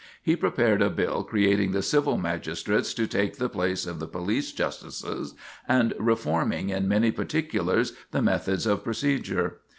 He prepared a bill creating the civil magistrates to take the place of the police justices and reforming in many particulars the methods of procedure.